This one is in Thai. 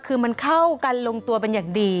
คือมันเข้ากันลงตัวเป็นอย่างดี